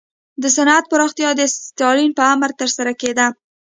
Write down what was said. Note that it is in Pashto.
د صنعت پراختیا د ستالین په امر ترسره کېده.